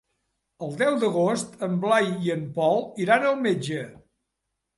El deu d'agost en Blai i en Pol iran al metge.